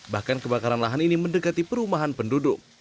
bahkan kebakaran lahan ini mendekati perumahan penduduk